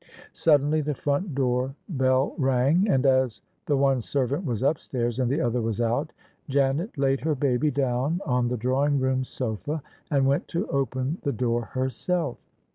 Suddenly the front door bell rang: and as the one servant was upstairs and the other was out, Janet laid her baby down on the drawing room sofa and went to open the door herself.